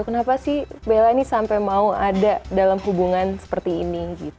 kenapa sih bella ini sampai mau ada dalam hubungan seperti ini